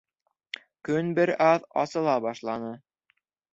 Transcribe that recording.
Көн бер аҙ асыла башланы.